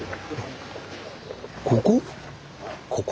ここ？